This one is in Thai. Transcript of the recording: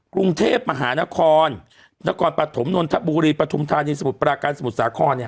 กรุงเทพฯมหานครนครปฐมนลทะบูรีปฐมธานีสมุดปราการสมุดสาข้อนเนี่ย